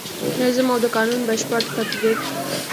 نظم او د قانون بشپړ تطبیق.